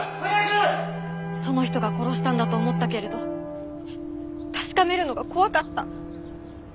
その人が殺したんだと思ったけれど確かめるのが怖かった。